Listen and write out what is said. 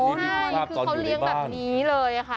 ใช่คือเขาเลี้ยงแบบนี้เลยค่ะ